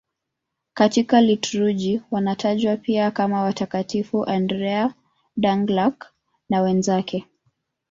Katika liturujia wanatajwa pia kama Watakatifu Andrea Dũng-Lạc na wenzake.